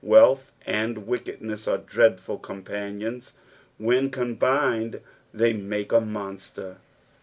Wealth and wickedness are dreadful companions; when combined they make a monster.